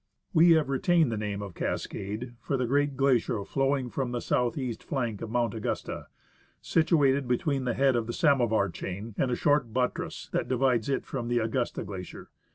We have retained the name of Cascade for the great glacier flowing from the southeast flank of Mount Augusta, situated between the head of the Samovar chain and a short buttress that divides it from the Augusta Glacier.